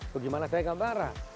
bagaimana saya kemarah